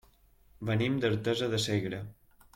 Venim d'Artesa de Segre.